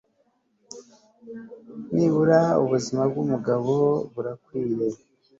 Nibura ubuzima bwumugabo burakwiye